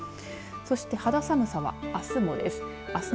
そして肌寒さはあすもです。